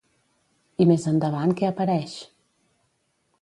I més endavant què apareix?